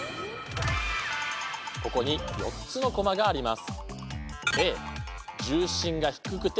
ここに４つのコマがあります。